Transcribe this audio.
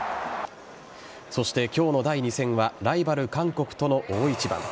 そして、今日の第２戦はライバル・韓国との大一番。